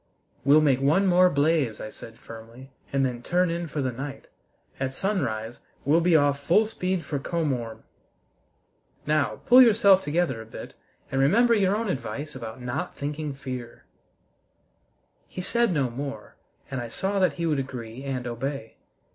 "We'll make one more blaze," I said firmly, "and then turn in for the night. At sunrise we'll be off full speed for Komorn. Now, pull yourself together a bit, and remember your own advice about not thinking fear!" He said no more, and I saw that he would agree and obey.